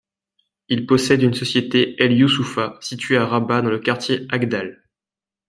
Il possède une société El Youssoufia, située à Rabat dans le quartier Agdal.